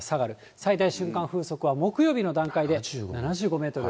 最大瞬間風速は木曜日の段階で７５メートル。